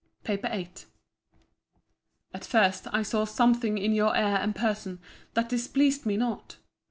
PAPER VIIII At first, I saw something in your air and person that displeased me not.